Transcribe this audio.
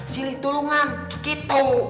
silih tulungan gitu